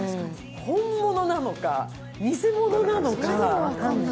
本物なのか偽物なのか。